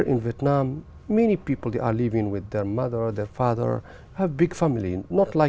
ở việt nam nhiều người sống cùng với mẹ và cha có một gia đình to lớn